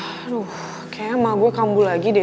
aduh kayaknya emak gue kambul lagi deh